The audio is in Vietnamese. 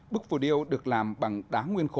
bức phủ điêu được làm bằng đá nguyên khẩn